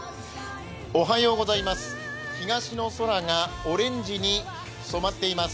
東の空がオレンジに染まっています。